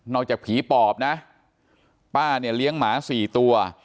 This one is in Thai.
จากผีปอบนะป้าเนี่ยเลี้ยงหมาสี่ตัว